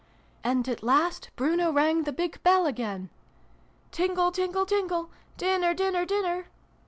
And at last Bruno rang the big bell again. ' Tingle, tingle, tingle ! Dinner, dinner, dinner